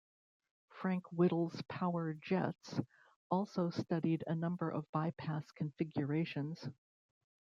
Frank Whittle's Power Jets also studied a number of bypass configurations.